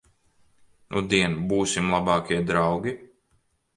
Nudien būsim labākie draugi?